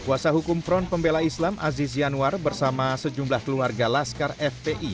kuasa hukum front pembela islam aziz yanwar bersama sejumlah keluarga laskar fpi